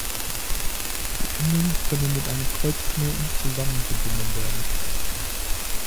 Die Enden können mit einem Kreuzknoten zusammengebunden werden.